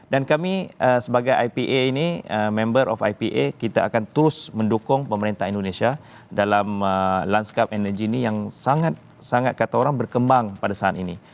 dan kami sebagai member of ipa ini kita akan terus mendukung pemerintah indonesia dalam landscape energi ini yang sangat sangat kata orang berkembang pada saat ini